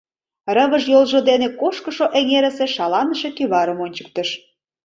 Рывыж йолжо дене кошкышо эҥерысе шаланыше кӱварым ончыктыш.